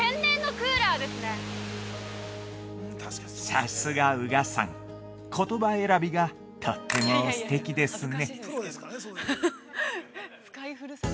◆さすが宇賀さん、言葉選びがとってもすてきですね。